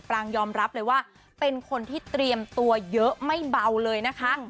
ปรางยอมรับเลยว่าเป็นคนที่เตรียมตัวเยอะไม่เบาเลยนะคะ